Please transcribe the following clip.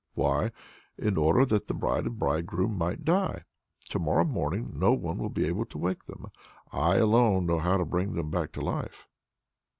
"Why, in order that the bride and bridegroom might die. To morrow morning no one will be able to wake them. I alone know how to bring them back to life."